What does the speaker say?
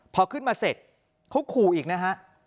พอขึ้นมาเสร็จเขาขู่อีกนะฮะ